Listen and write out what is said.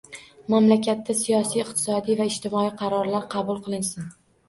Mamlakatlarda siyosiy, iqtisodiy va ijtimoiy qarorlar qabul qilinsin